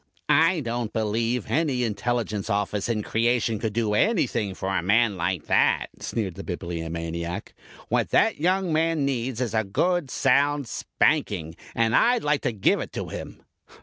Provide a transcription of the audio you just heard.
"I don't believe any Intelligence Office in creation could do anything for a man like that," sneered the Bibliomaniac. "What that young man needs is a good sound spanking, and I'd like to give it to him."